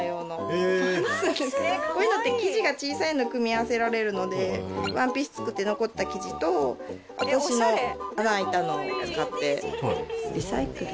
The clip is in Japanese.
こういうのって生地が小さいの組み合わせられるのでワンピース作って残った生地と私の穴開いたのを使ってリサイクル？